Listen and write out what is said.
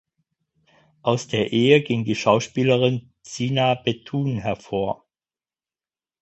Aus der Ehe ging die Schauspielerin Zina Bethune hervor.